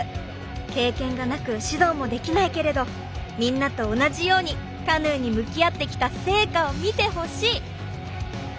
経験がなく指導もできないけれどみんなと同じようにカヌーに向き合ってきた成果を見てほしい！